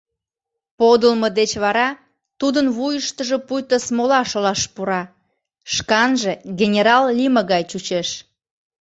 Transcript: Подылмо деч вара тудын вуйыштыжо пуйто смола шолаш пура, шканже генерал лийме гай чучеш.